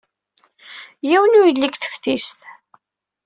Yiwen ur yelli deg teftist.